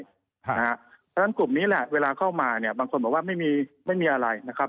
เพราะฉะนั้นกลุ่มนี้แหละเวลาเข้ามาบางคนบอกว่าไม่มีอะไร